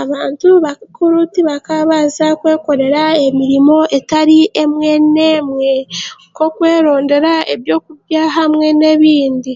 Abantu bakuru tibakabasa kw'ekoreera emirimo etari emwe n'emwe nk'okwerondera ebyokurya hamwe n'ebindi.